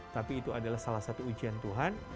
tapi itu adalah salah satu ujian tuhan